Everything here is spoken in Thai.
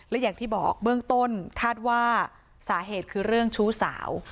และอย่างที่บอกเบื้องต้นคาดว่าสาเหตุคือเรื่องชู้สาว